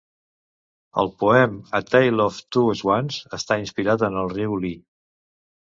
El poem "A Tale of Two Swannes" està inspirat en el riu Lee.